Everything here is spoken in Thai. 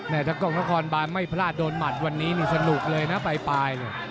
ถ้ากล้องนครบานไม่พลาดโดนหมัดวันนี้นี่สนุกเลยนะปลาย